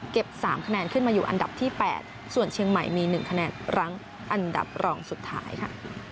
๓คะแนนขึ้นมาอยู่อันดับที่๘ส่วนเชียงใหม่มี๑คะแนนรั้งอันดับรองสุดท้ายค่ะ